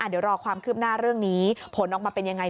เดี๋ยวรอความคืบหน้าเรื่องนี้ผลออกมาเป็นยังไง